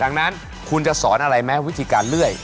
ดังนั้นคุณจะสอนอะไรไหมวิธีการเลื่อย